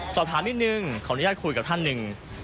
สอบถามนิดนึงขออนุญาตคุยกับท่านหนึ่ง